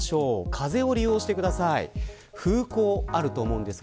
風を利用してください。